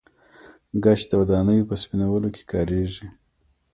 ګچ د ودانیو په سپینولو کې کاریږي.